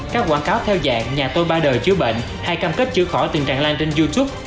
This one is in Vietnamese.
các quảng cáo theo dạng nhà tôi ba đời chữa bệnh hay cam kết chữa khỏi tình trạng lan trên youtube